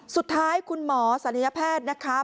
สุดท้ายคุณหมอศัลยแพทย์นะคะ